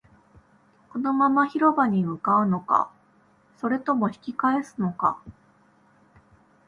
このまま広場に向かうのか、それとも引き返すのか